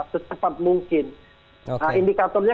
secepat mungkin nah indikatornya